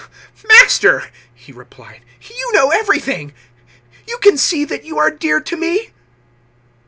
"Master," he replied, "you know everything, you can see that you are dear to me."